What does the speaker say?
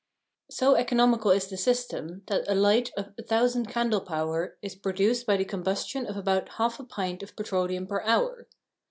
So economical is the system that a light of 1000 candle power is produced by the combustion of about half a pint of petroleum per hour!